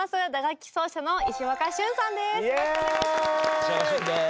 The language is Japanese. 石若駿です。